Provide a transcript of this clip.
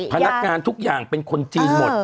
พนักงานทุกอย่างเป็นคนจีนหมด